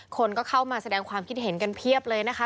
คนก็เข้ามาแสดงความคิดเห็นกันเพียบเลยนะคะ